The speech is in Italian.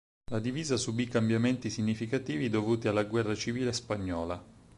La divisa subì cambiamenti significativi dovuti alla Guerra Civile Spagnola.